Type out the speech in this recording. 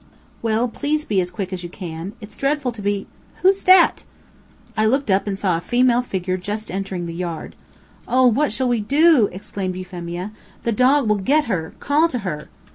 "Well, please be as quick as you can. It's dreadful to be who's that?" I looked up and saw a female figure just entering the yard. "Oh, what shall we do" exclaimed Euphemia. "The dog will get her. Call to her!"